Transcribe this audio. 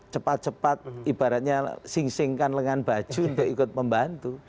cepat cepat ibaratnya sing singkan lengan baju untuk ikut membantu